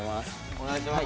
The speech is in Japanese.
お願いします。